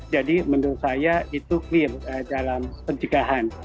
jadi menurut saya itu clear dalam pencegahan